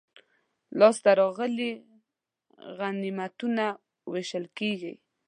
لاسته راغلي غنیمتونه وېشل کیږي.